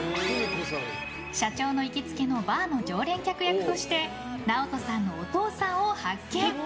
社長の行きつけのバーの常連客役としてＮＡＯＴＯさんのお父さんを発見。